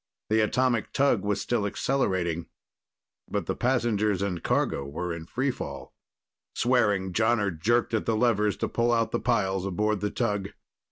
The atomic tug was still accelerating, but passengers and cargo were in free fall. Swearing Jonner jerked at the levers to pull out the piles aboard the tug.